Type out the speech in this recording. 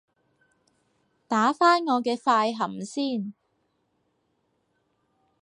打返我嘅快含先